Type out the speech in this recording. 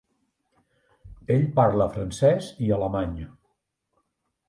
Ell parla francès i alemany.